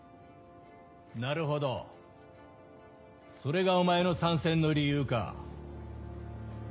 なるほどそれがお前の参戦の理由か。